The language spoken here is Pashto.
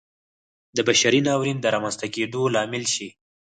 د بشري ناورین د رامنځته کېدو لامل شي.